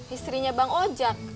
istrinya bang ojek